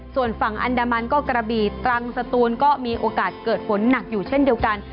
ส่วนฝั่งอันดามันก็กระบีตรังสตูนก็มีโอกาสเกิดฝนหนักอยู่เช่นเดียวกัน